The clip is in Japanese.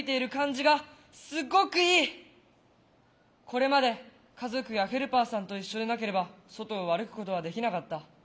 これまで家族やヘルパーさんと一緒でなければ外を歩くことができなかった。